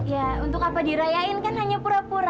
ya untuk apa dirayain kan hanya pura pura